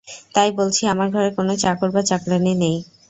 তাই বলছি, আমার ঘরে কোন চাকর বা চাকরানী নেই।